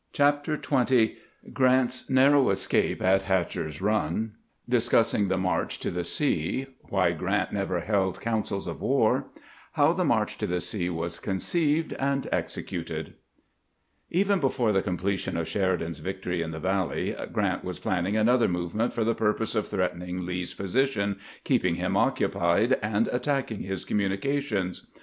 CHAPTEE XX geant's naebow escape at hatcher's run— discussing the march to the sea — "why grant never held councils of war — how the march to the sea was conceived and executed EVEN before tlie completion of Sheridan's victory in the Valley, Grant was planning another movement for the purpose of threatening Lee's position, keeping him occupied, and attacking his communications.